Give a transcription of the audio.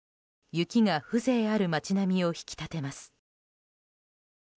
雪が風情ある街並みを引き立てます。